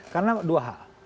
karena dua hal